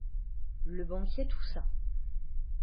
Le banquier toussa.